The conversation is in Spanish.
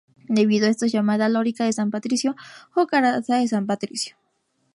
Debido a esto es llamada "Lorica de San Patricio" o "Coraza de San Patricio".